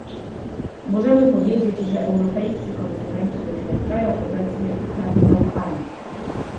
Możemy powiedzieć, że europejscy konsumenci doświadczają obecnie utraty zaufania